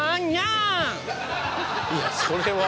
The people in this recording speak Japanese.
いやそれは。